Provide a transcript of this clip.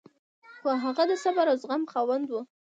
خو هغه د صبر او زغم خاوند و.